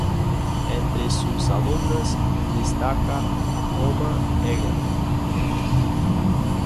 Entre sus alumnas destaca Roma Egan.